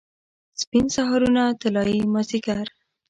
سپین سهارونه، طلايي مازدیګر